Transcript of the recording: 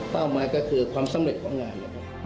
หมายก็คือความสำเร็จของงาน